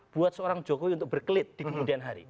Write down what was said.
buat seorang jokowi untuk berkelit di kemudian hari